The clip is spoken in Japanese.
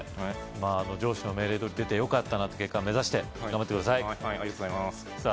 上司の命令で出てよかったなって結果目指して頑張って下さいさぁ